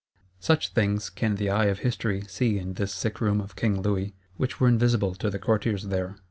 Such things can the eye of History see in this sick room of King Louis, which were invisible to the Courtiers there.